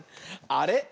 あれ？